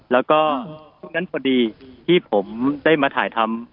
แล้วก็ช่วงนั้นพอดีที่ผมได้มาถ่ายทำ